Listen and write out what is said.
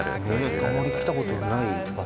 あんまり来たことのない。